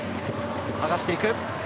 はがしていく。